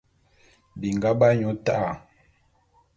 Binga b'anyu ta'a.